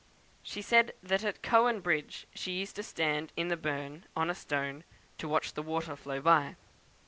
She said that at Cowan Bridge she used to stand in the burn, on a stone, to watch the water flow by.